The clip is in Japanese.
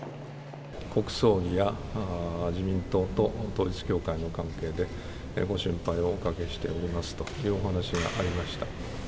国葬儀や自民党と統一教会の関係で、ご心配をおかけしておりますというお話がありました。